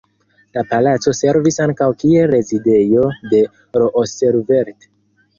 La palaco servis ankaŭ kiel rezidejo de Roosevelt.